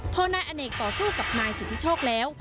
พอนายอเนกต่อสู้กับนายสิทธิโชคแล้ว